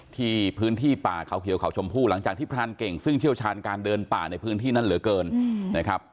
ที่พื้นที่ป่าเขาเขียวเขาชมพู่หลังจากที่พรานเก่งซึ่งเชี่ยวชาญการเดินป่าในพื้นที่นั้นเหลือเกินนะครับ